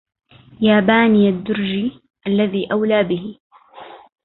يا باني الدرج الذي أولى به